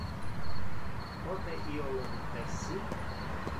Pote io lo mitter ci?